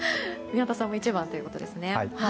宮田さんも１番ということですね。